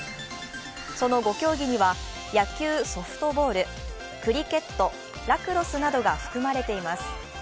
その５競技には野球・ソフトボール、クリケット、ラクロスなどが含まれています。